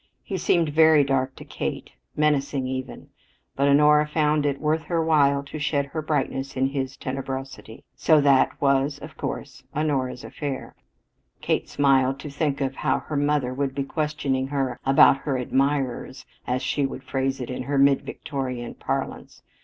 He seemed very dark to Kate, menacing even; but Honora found it worth her while to shed her brightness on his tenebrosity, so that was, of course, Honora's affair. Kate smiled to think of how her mother would be questioning her about her "admirers," as she would phrase it in her mid Victorian parlance.